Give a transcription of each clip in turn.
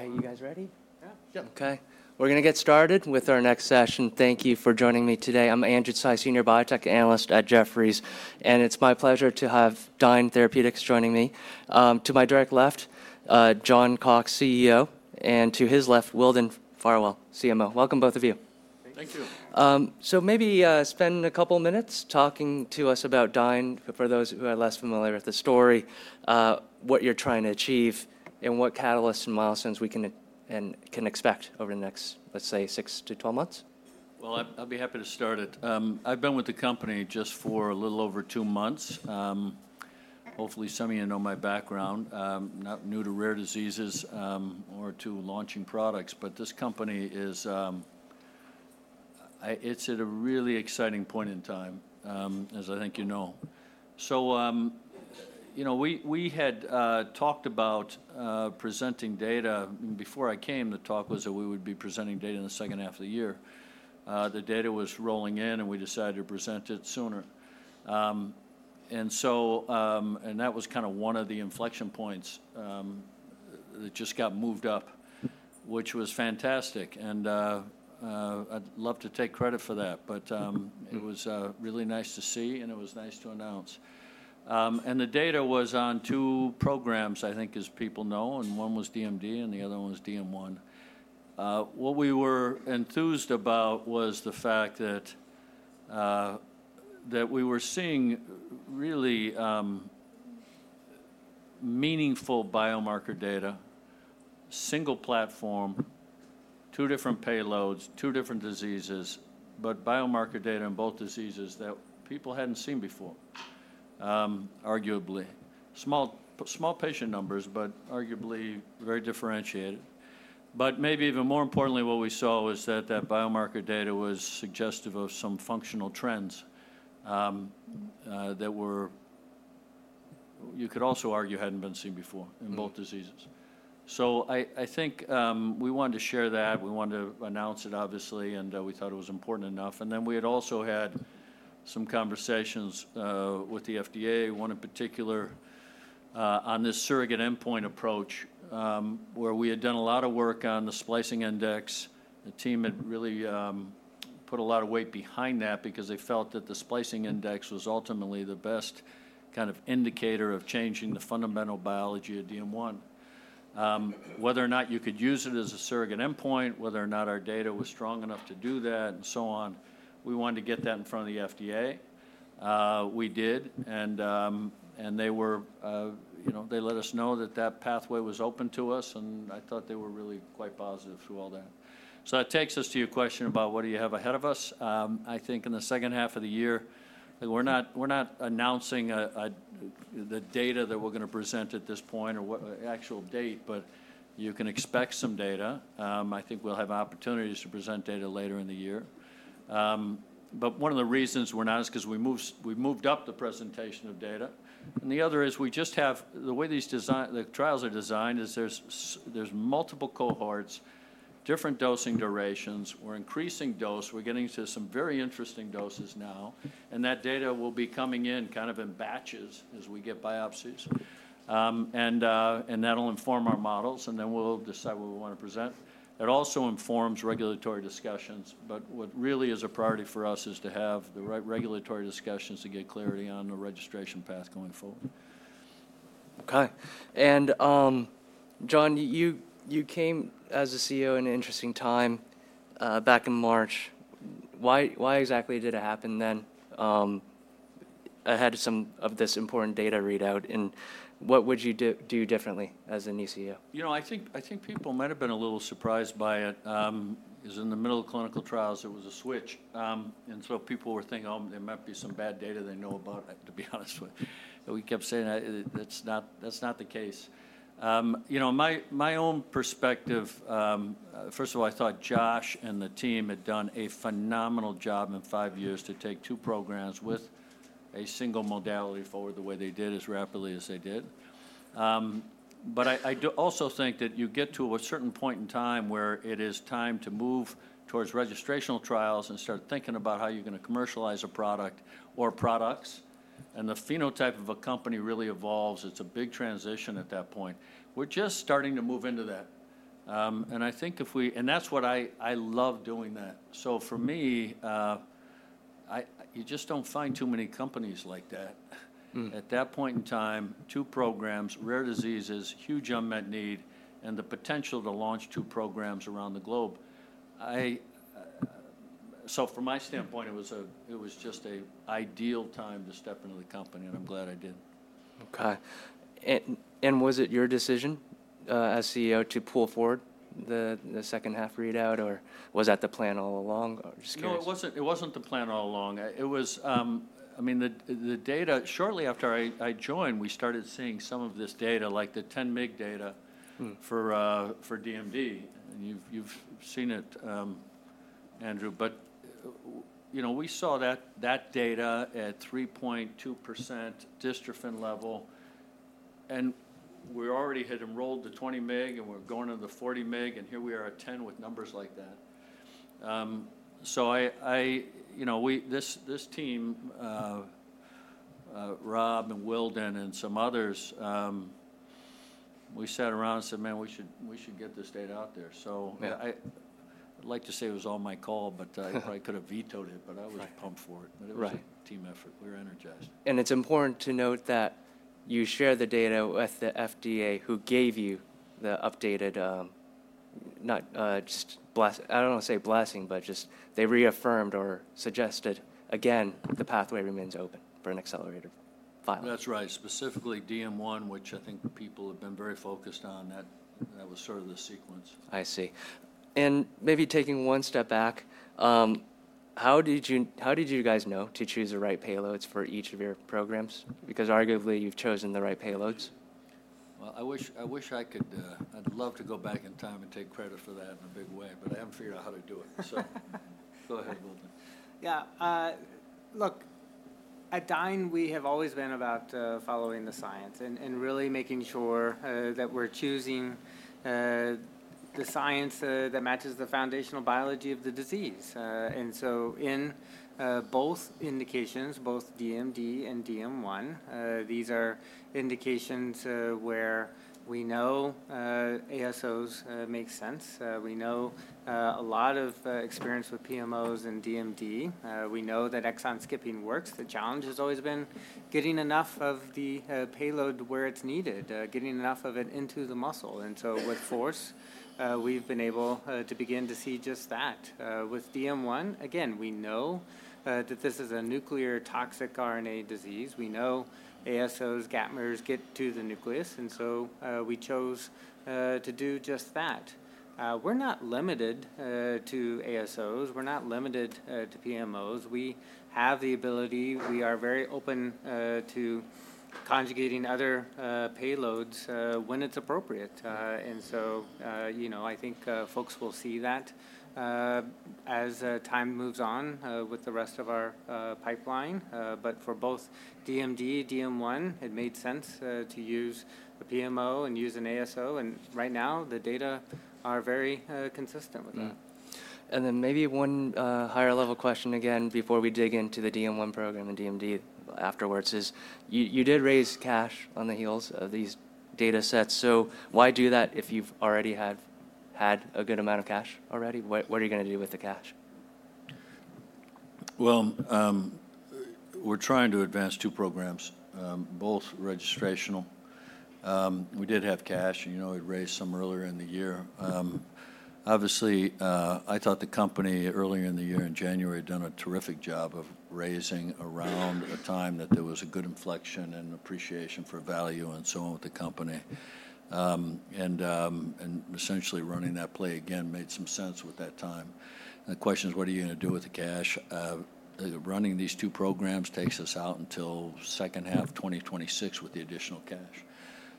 Okay, you guys ready? Yeah. Yep. Okay. We're going to get started with our next session. Thank you for joining me today. I'm Andrew Tsai, Senior Biotech Analyst at Jefferies, and it's my pleasure to have Dyne Therapeutics joining me. To my direct left, John Cox, CEO, and to his left, Wildon Farwell, CMO. Welcome, both of you. Thank you. Maybe spend a couple of minutes talking to us about Dyne, for those who are less familiar with the story, what you're trying to achieve, and what catalysts and milestones we can expect over the next, let's say, six to 12 months. Well, I'll be happy to start it. I've been with the company just for a little over two months. Hopefully, some of you know my background, not new to rare diseases or to launching products, but this company is at a really exciting point in time, as I think you know. So we had talked about presenting data. Before I came, the talk was that we would be presenting data in the second half of the year. The data was rolling in, and we decided to present it sooner. And that was kind of one of the inflection points. It just got moved up, which was fantastic, and I'd love to take credit for that. But it was really nice to see, and it was nice to announce. And the data was on two programs, I think, as people know, and one was DMD, and the other one was DM1. What we were enthused about was the fact that we were seeing really meaningful biomarker data, single platform, two different payloads, two different diseases, but biomarker data in both diseases that people hadn't seen before, arguably. Small patient numbers, but arguably very differentiated. But maybe even more importantly, what we saw was that that biomarker data was suggestive of some functional trends that you could also argue hadn't been seen before in both diseases. So I think we wanted to share that. We wanted to announce it, obviously, and we thought it was important enough. And then we had also had some conversations with the FDA, one in particular on this surrogate endpoint approach, where we had done a lot of work on the splicing index. The team had really put a lot of weight behind that because they felt that the splicing index was ultimately the best kind of indicator of changing the fundamental biology of DM1. Whether or not you could use it as a surrogate endpoint, whether or not our data was strong enough to do that, and so on, we wanted to get that in front of the FDA. We did, and they let us know that that pathway was open to us, and I thought they were really quite positive through all that. So that takes us to your question about what do you have ahead of us. I think in the second half of the year, we're not announcing the data that we're going to present at this point or actual date, but you can expect some data. I think we'll have opportunities to present data later in the year. But one of the reasons we're not is because we moved up the presentation of data. And the other is we just have the way these trials are designed is there's multiple cohorts, different dosing durations. We're increasing dose. We're getting to some very interesting doses now, and that data will be coming in kind of in batches as we get biopsies, and that'll inform our models, and then we'll decide what we want to present. It also informs regulatory discussions, but what really is a priority for us is to have the right regulatory discussions to get clarity on the registration path going forward. Okay. And John, you came as a CEO in an interesting time back in March. Why exactly did it happen then ahead of some of this important data readout, and what would you do differently as a new CEO? You know, I think people might have been a little surprised by it because in the middle of clinical trials, there was a switch, and so people were thinking, "Oh, there might be some bad data they know about," to be honest with you. We kept saying that's not the case. My own perspective, first of all, I thought Josh and the team had done a phenomenal job in five years to take two programs with a single modality forward the way they did as rapidly as they did. But I also think that you get to a certain point in time where it is time to move towards registrational trials and start thinking about how you're going to commercialize a product or products, and the phenotype of a company really evolves. It's a big transition at that point. We're just starting to move into that. And I think if we, and that's what I love doing that. So for me, you just don't find too many companies like that. At that point in time, two programs, rare diseases, huge unmet need, and the potential to launch two programs around the globe. So from my standpoint, it was just an ideal time to step into the company, and I'm glad I did. Okay. And was it your decision as CEO to pull forward the second half readout, or was that the plan all along? No, it wasn't the plan all along. I mean, the data shortly after I joined, we started seeing some of this data, like the 10-mg data for DMD. And you've seen it, Andrew. But we saw that data at 3.2% dystrophin level, and we already had enrolled the 20-mg, and we're going on the 40-mg, and here we are at 10 with numbers like that. So this team, Rob and Wildon and some others, we sat around and said, "Man, we should get this data out there." So I'd like to say it was all my call, but I probably could have vetoed it, but I was pumped for it. But it was a team effort. We were energized. It's important to note that you share the data with the FDA who gave you the updated—not just blast—I don't want to say blasting, but just they reaffirmed or suggested again the pathway remains open for an accelerated file. That's right. Specifically DM1, which I think people have been very focused on. That was sort of the sequence. I see. And maybe taking one step back, how did you guys know to choose the right payloads for each of your programs? Because arguably you've chosen the right payloads. Well, I wish I could. I'd love to go back in time and take credit for that in a big way, but I haven't figured out how to do it. So go ahead, Wildon. Yeah. Look, at Dyne, we have always been about following the science and really making sure that we're choosing the science that matches the foundational biology of the disease. So in both indications, both DMD and DM1, these are indications where we know ASOs make sense. We know a lot of experience with PMOs and DMD. We know that exon skipping works. The challenge has always been getting enough of the payload where it's needed, getting enough of it into the muscle. So with FORCE, we've been able to begin to see just that. With DM1, again, we know that this is a nuclear toxic RNA disease. We know ASOs, gapmers, get to the nucleus, and so we chose to do just that. We're not limited to ASOs. We're not limited to PMOs. We have the ability. We are very open to conjugating other payloads when it's appropriate. And so I think folks will see that as time moves on with the rest of our pipeline. But for both DMD, DM1, it made sense to use a PMO and use an ASO. And right now, the data are very consistent with that. Then maybe one higher-level question again before we dig into the DM1 program and DMD afterwards: you did raise cash on the heels of these data sets. So why do that if you've already had a good amount of cash already? What are you going to do with the cash? Well, we're trying to advance two programs, both registrational. We did have cash. You know, we raised some earlier in the year. Obviously, I thought the company earlier in the year in January had done a terrific job of raising around a time that there was a good inflection and appreciation for value and so on with the company. And essentially running that play again made some sense with that time. The question is, what are you going to do with the cash? Running these two programs takes us out until second half 2026 with the additional cash.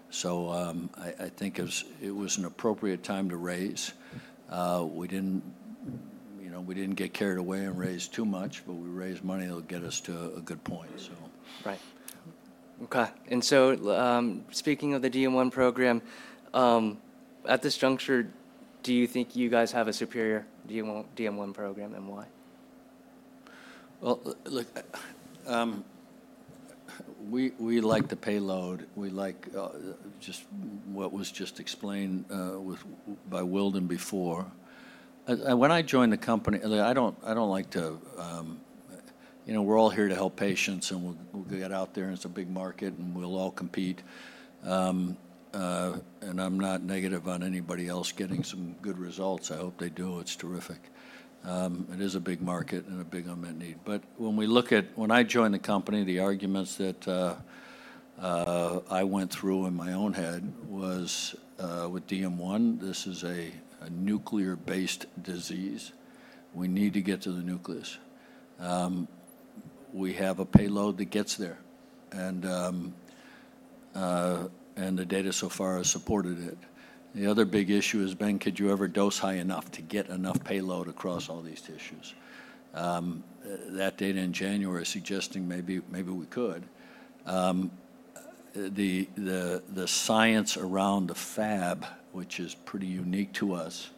So I think it was an appropriate time to raise. We didn't get carried away and raise too much, but we raised money that'll get us to a good point, so. Right. Okay. And so speaking of the DM1 program, at this juncture, do you think you guys have a superior DM1 program, and why? Well, look, we like the payload. We like just what was just explained by Wildon before. When I joined the company, I don't like to—we're all here to help patients, and we'll get out there, and it's a big market, and we'll all compete. And I'm not negative on anybody else getting some good results. I hope they do. It's terrific. It is a big market and a big unmet need. But when we look at—when I joined the company, the arguments that I went through in my own head was with DM1, this is a nuclear-based disease. We need to get to the nucleus. We have a payload that gets there, and the data so far has supported it. The other big issue is, Ben, could you ever dose high enough to get enough payload across all these tissues? That data in January suggesting maybe we could. The science around the Fab, which is pretty unique to us,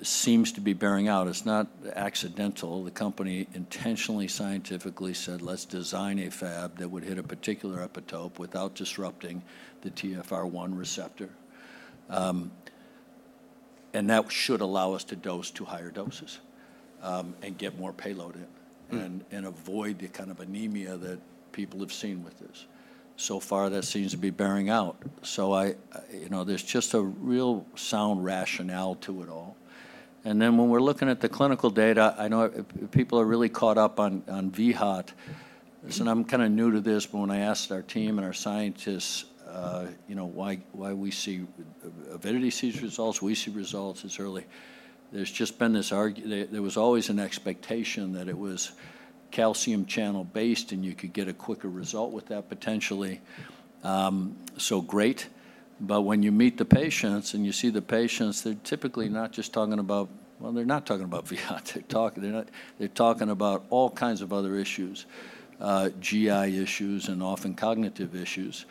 seems to be bearing out. It's not accidental. The company intentionally, scientifically said, "Let's design a Fab that would hit a particular epitope without disrupting the TfR1 receptor." And that should allow us to dose to higher doses and get more payload in and avoid the kind of anemia that people have seen with this. So far, that seems to be bearing out. So there's just a real sound rationale to it all. And then when we're looking at the clinical data, I know people are really caught up on vHOT. Listen, I'm kind of new to this, but when I asked our team and our scientists why we see Avidity sees results, we see results as early. There's just been this, there was always an expectation that it was calcium channel-based, and you could get a quicker result with that potentially. So great. But when you meet the patients and you see the patients, they're typically not just talking about, well, they're not talking about vHOT. They're talking about all kinds of other issues, GI issues, and often cognitive issues.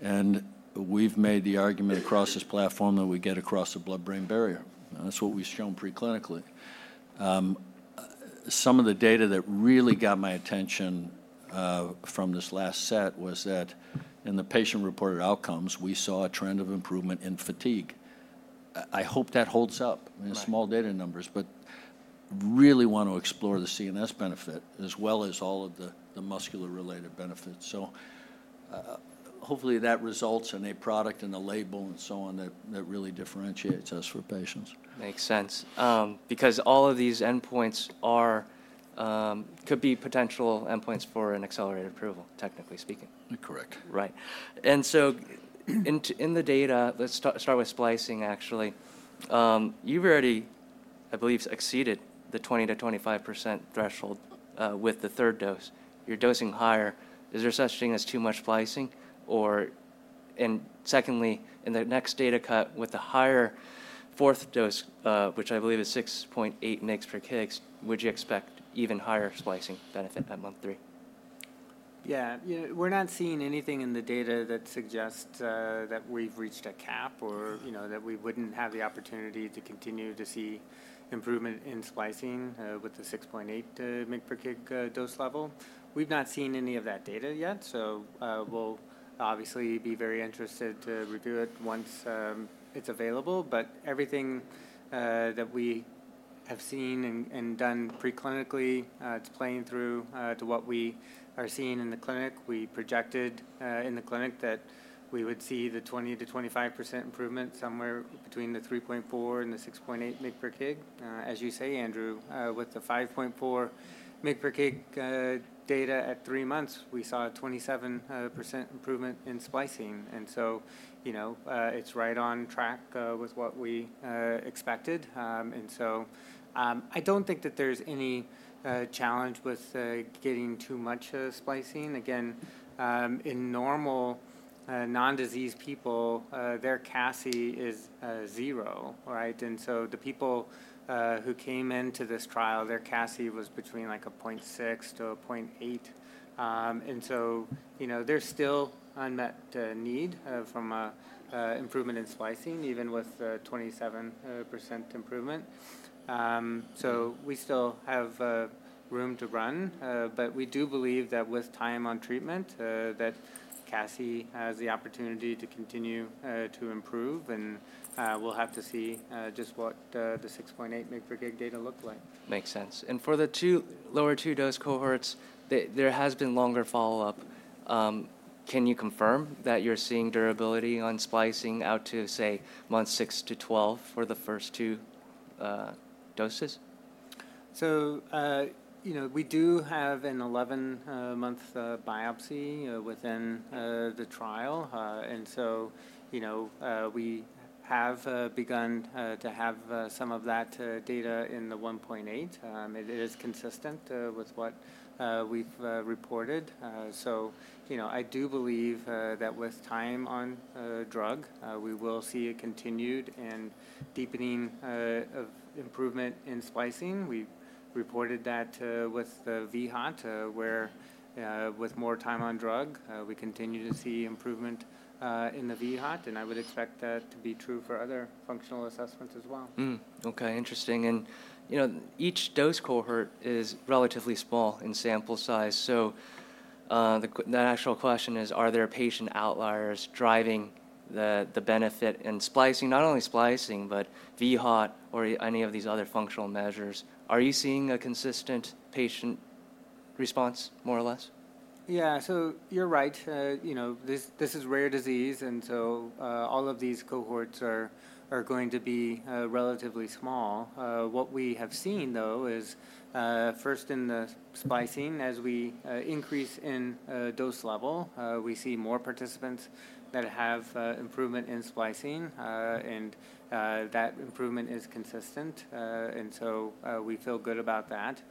And we've made the argument across this platform that we get across the blood-brain barrier. That's what we've shown preclinically. Some of the data that really got my attention from this last set was that in the patient-reported outcomes, we saw a trend of improvement in fatigue. I hope that holds up. I mean, small data numbers, but really want to explore the CNS benefit as well as all of the muscular-related benefits. Hopefully that results in a product and a label and so on that really differentiates us for patients. Makes sense. Because all of these endpoints could be potential endpoints for an accelerated approval, technically speaking. Correct. Right. And so in the data, let's start with splicing, actually. You've already, I believe, exceeded the 20%-25% threshold with the third dose. You're dosing higher. Is there such a thing as too much splicing? And secondly, in the next data cut with the higher fourth dose, which I believe is 6.8 mg/kg, would you expect even higher splicing benefit at month three? Yeah. We're not seeing anything in the data that suggests that we've reached a cap or that we wouldn't have the opportunity to continue to see improvement in splicing with the 6.8 mg/kg dose level. We've not seen any of that data yet, so we'll obviously be very interested to review it once it's available. But everything that we have seen and done preclinically, it's playing through to what we are seeing in the clinic. We projected in the clinic that we would see the 20%-25% improvement somewhere between the 3.4 and 6.8 mg/kg. As you say, Andrew, with the 5.4 mg/kg data at three months, we saw a 27% improvement in splicing. And so I don't think that there's any challenge with getting too much splicing. Again, in normal non-disease people, their CASI is zero, right? And so the people who came into this trial, their CASI was between like a 0.6-0.8. And so there's still unmet need from improvement in splicing, even with the 27% improvement. So we still have room to run. But we do believe that with time on treatment, that CASI has the opportunity to continue to improve, and we'll have to see just what the 6.8 mg/kg data look like. Makes sense. For the lower two-dose cohorts, there has been longer follow-up. Can you confirm that you're seeing durability on splicing out to, say, months six to 12 for the first two doses? So we do have an 11-month biopsy within the trial. And so we have begun to have some of that data in the 1.8. It is consistent with what we've reported. So I do believe that with time on drug, we will see a continued and deepening improvement in splicing. We reported that with the vHOT, where with more time on drug, we continue to see improvement in the vHOT. And I would expect that to be true for other functional assessments as well. Okay. Interesting. And each dose cohort is relatively small in sample size. So the actual question is, are there patient outliers driving the benefit in splicing? Not only splicing, but vHOT or any of these other functional measures. Are you seeing a consistent patient response, more or less? Yeah. So you're right. This is rare disease, and so all of these cohorts are going to be relatively small. What we have seen, though, is first in the splicing, as we increase in dose level, we see more participants that have improvement in splicing, and that improvement is consistent. And so we feel good about that.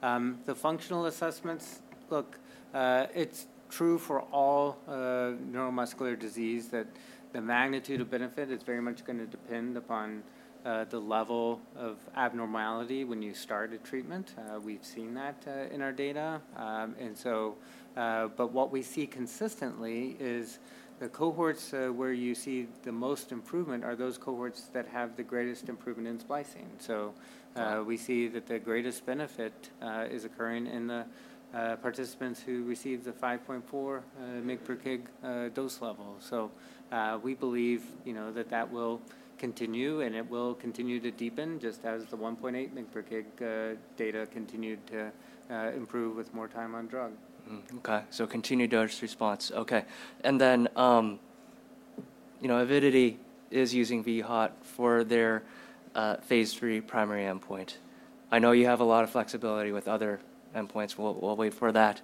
The functional assessments, look, it's true for all neuromuscular disease that the magnitude of benefit is very much going to depend upon the level of abnormality when you start a treatment. We've seen that in our data. And so, but what we see consistently is the cohorts where you see the most improvement are those cohorts that have the greatest improvement in splicing. So we see that the greatest benefit is occurring in the participants who receive the 5.4 mg/kg dose level. So we believe that that will continue, and it will continue to deepen just as the 1.8 mg/kg data continued to improve with more time on drug. Okay. So continued dose response. Okay. And then Avidity is using vHOT for their phase III primary endpoint. I know you have a lot of flexibility with other endpoints. We'll wait for that.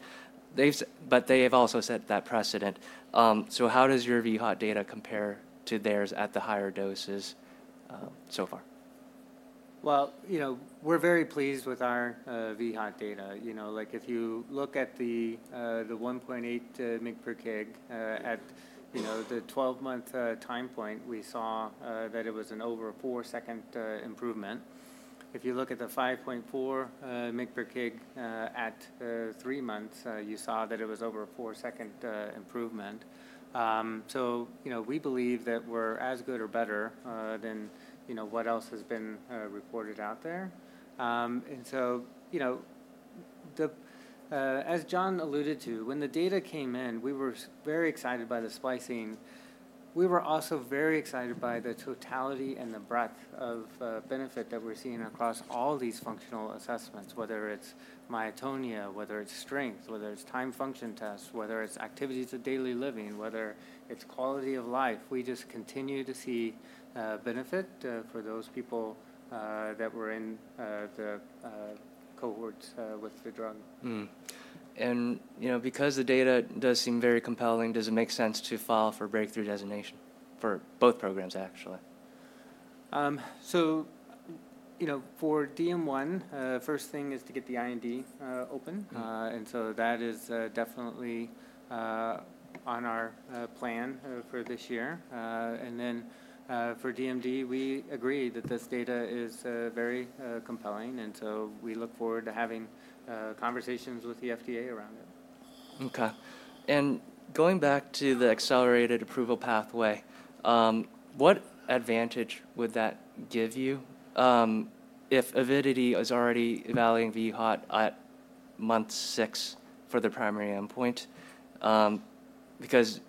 But they have also set that precedent. So how does your vHOT data compare to theirs at the higher doses so far? Well, we're very pleased with our vHOT data. If you look at the 1.8 mg/kg at the 12-month time point, we saw that it was an over four-second improvement. If you look at the 5.4 mg/kg at three months, you saw that it was over a four-second improvement. So we believe that we're as good or better than what else has been reported out there. And so, as John alluded to, when the data came in, we were very excited by the splicing. We were also very excited by the totality and the breadth of benefit that we're seeing across all these functional assessments, whether it's myotonia, whether it's strength, whether it's time function tests, whether it's activities of daily living, whether it's quality of life. We just continue to see benefit for those people that were in the cohorts with the drug. Because the data does seem very compelling, does it make sense to file for breakthrough designation for both programs, actually? For DM1, first thing is to get the IND open. So that is definitely on our plan for this year. Then for DMD, we agree that this data is very compelling. So we look forward to having conversations with the FDA around it. Okay. And going back to the accelerated approval pathway, what advantage would that give you if Avidity is already evaluating vHOT at month six for the primary endpoint? Because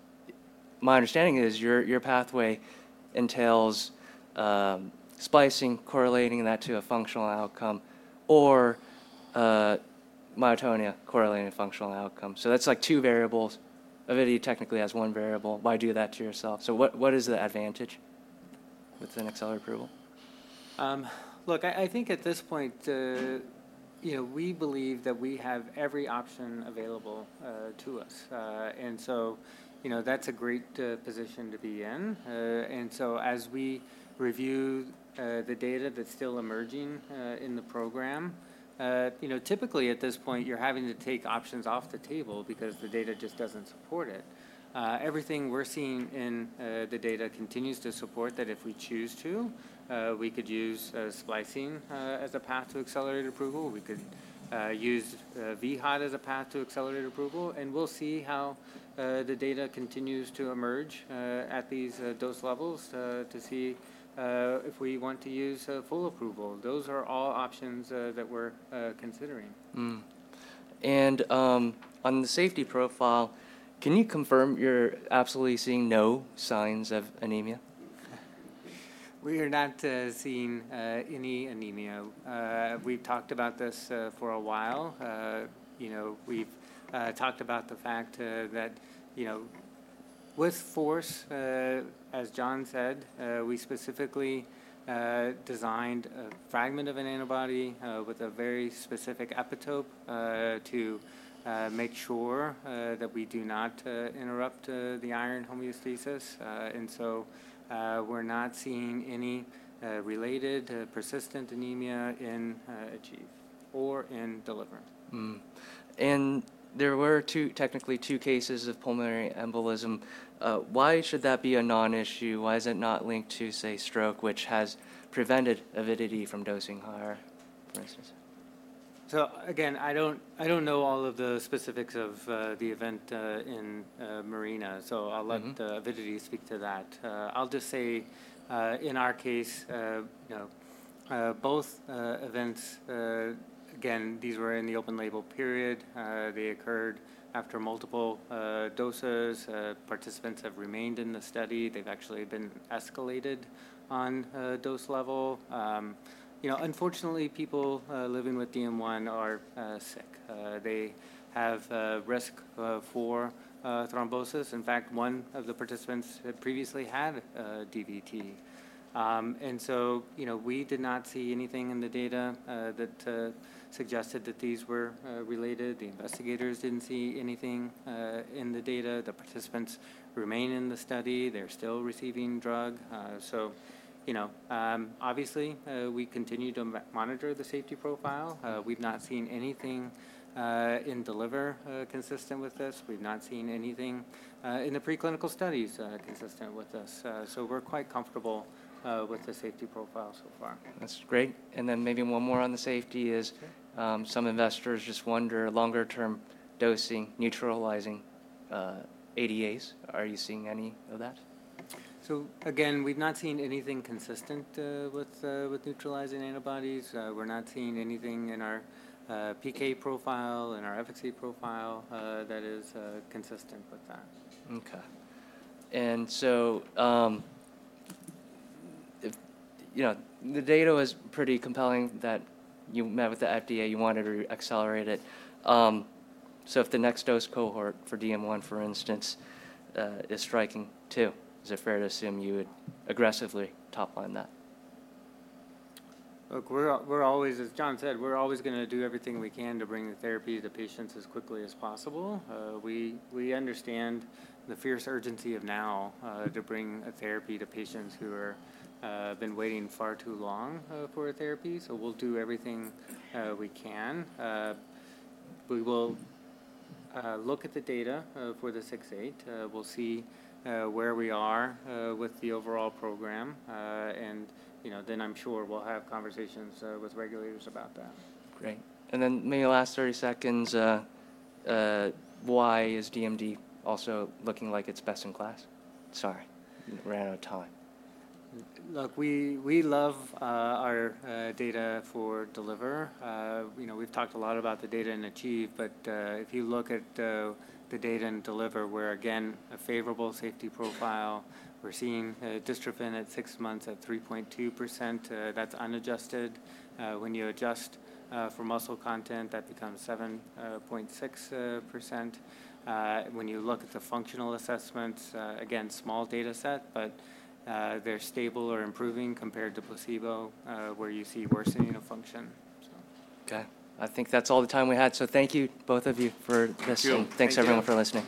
my understanding is your pathway entails splicing, correlating that to a functional outcome, or myotonia, correlating functional outcome. So that's like two variables. Avidity technically has one variable. Why do that to yourself? So what is the advantage with an accelerated approval? Look, I think at this point, we believe that we have every option available to us. That's a great position to be in. As we review the data that's still emerging in the program, typically at this point, you're having to take options off the table because the data just doesn't support it. Everything we're seeing in the data continues to support that if we choose to, we could use splicing as a path to accelerated approval. We could use vHOT as a path to accelerated approval. We'll see how the data continues to emerge at these dose levels to see if we want to use full approval. Those are all options that we're considering. On the safety profile, can you confirm you're absolutely seeing no signs of anemia? We are not seeing any anemia. We've talked about this for a while. We've talked about the fact that with FORCE, as John said, we specifically designed a fragment of an antibody with a very specific epitope to make sure that we do not interrupt the iron homeostasis. And so we're not seeing any related persistent anemia in ACHIEVE or in DELIVER. There were technically two cases of pulmonary embolism. Why should that be a non-issue? Why is it not linked to, say, stroke, which has prevented Avidity from dosing higher, for instance? So again, I don't know all of the specifics of the event in MARINA, so I'll let Avidity speak to that. I'll just say, in our case, both events, again, these were in the open label period. They occurred after multiple doses. Participants have remained in the study. They've actually been escalated on dose level. Unfortunately, people living with DM1 are sick. They have risk for thrombosis. In fact, one of the participants had previously had DVT. And so we did not see anything in the data that suggested that these were related. The investigators didn't see anything in the data. The participants remain in the study. They're still receiving drug. So obviously, we continue to monitor the safety profile. We've not seen anything in DELIVER consistent with this. We've not seen anything in the preclinical studies consistent with this. So we're quite comfortable with the safety profile so far. That's great. And then maybe one more on the safety is some investors just wonder longer-term dosing, neutralizing ADAs. Are you seeing any of that? So again, we've not seen anything consistent with neutralizing antibodies. We're not seeing anything in our PK profile and our efficacy profile that is consistent with that. Okay. The data was pretty compelling that you met with the FDA. You wanted to accelerate it. If the next dose cohort for DM1, for instance, is striking too, is it fair to assume you would aggressively topline that? Look, we're always, as John said, we're always going to do everything we can to bring the therapy to the patients as quickly as possible. We understand the fierce urgency of now to bring a therapy to patients who have been waiting far too long for a therapy. So we'll do everything we can. We will look at the data for the 6/8. We'll see where we are with the overall program. And then I'm sure we'll have conversations with regulators about that. Great. Then maybe last 30 seconds, why is DMD also looking like it's best in class? Sorry, ran out of time. Look, we love our data for DELIVER. We've talked a lot about the data in ACHIEVE, but if you look at the data in DELIVER, we're, again, a favorable safety profile. We're seeing a dystrophin at six months at 3.2%. That's unadjusted. When you adjust for muscle content, that becomes 7.6%. When you look at the functional assessments, again, small data set, but they're stable or improving compared to placebo, where you see worsening of function. Okay. I think that's all the time we had. So thank you, both of you, for this team. Thanks, everyone, for listening.